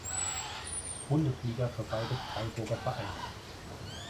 Bundesliga für beide Freiburger Vereine.